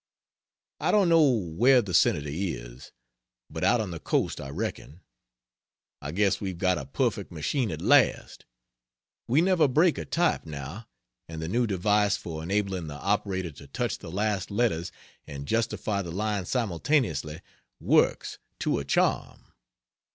I don't know where the Senator is; but out on the Coast I reckon. I guess we've got a perfect machine at last. We never break a type, now, and the new device for enabling the operator to touch the last letters and justify the line simultaneously works, to a charm.